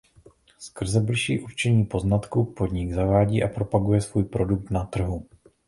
Skrze bližší určení poznatků podnik zavádí a propaguje svůj produkt na trhu.